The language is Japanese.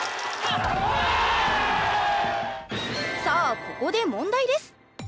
さあここで問題です。